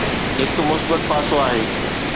هڪ مثبت پاسو آهي.